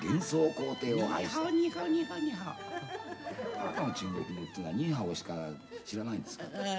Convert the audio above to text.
あなたの中国語っていうのはニーハオしか知らないんですか？